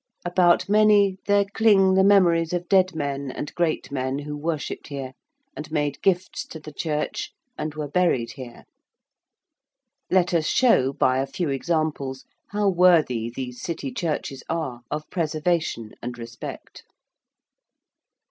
About many there cling the memories of dead men and great men who worshipped here and made gifts to the church and were buried here. Let us show, by a few examples, how worthy these City churches are of preservation and respect.